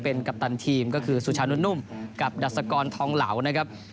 เป็นกัปตันทีมก็คือสุชานุ่นนุ่มกับดัชกรทองเหลานะครับ